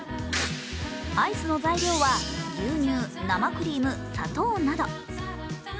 アイスの材料は牛乳、生クリーム、砂糖など。